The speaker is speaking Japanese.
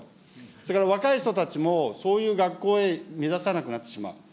それから若い人たちも、そういう学校へ目指さなくなってしまう。